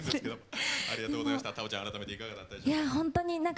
太鳳ちゃん、改めていかがだったでしょうか。